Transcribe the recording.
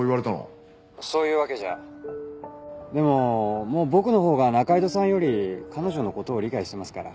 「そういうわけじゃ」でももう僕のほうが仲井戸さんより彼女の事を理解してますから。